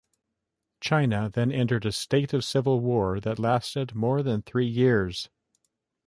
China then entered a state of civil war that lasted more than three years.